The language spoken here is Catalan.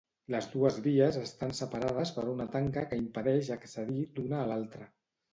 Les dues vies estan separades per una tanca que impedeix accedir d'una a l'altra.